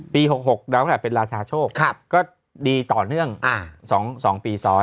ปี๑๙๖๖เป็นราชาโชคก็ดีต่อเนื่อง๒ปีซ้อน